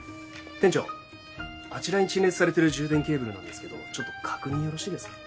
店長あちらに陳列されてる充電ケーブルなんですけどちょっと確認よろしいですか？